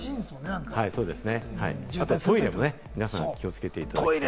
あとトイレね、皆さん、気をつけていただきたい。